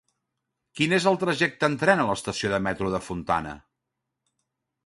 Quin és el trajecte en tren a l'estació de metro Fontana?